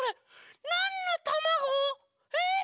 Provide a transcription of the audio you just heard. なんのたまご？えっ！